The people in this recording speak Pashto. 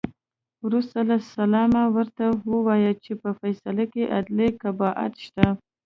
وروسته له سلامه ورته ووایه چې په فیصله کې عدلي قباحت شته.